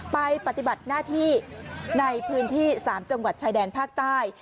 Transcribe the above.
ปฏิบัติหน้าที่ในพื้นที่๓จังหวัดชายแดนภาคใต้